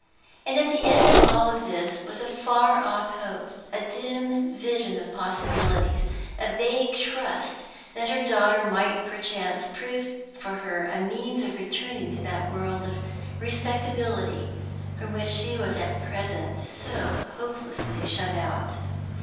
And at the end of all this was a far off hope, a dim vision of possibilities, a vague trust that her daughter might perchance prove for her a means of returning to that world of "respectability" from which she was at present so hopelessly shut out.